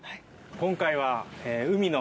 今回は。